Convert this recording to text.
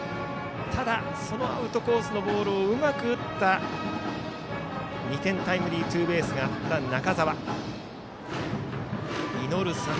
ただ、そのアウトコースのボールをうまく打った２点タイムリーツーベースがあった中澤。